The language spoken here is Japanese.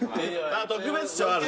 ああ特別賞ある。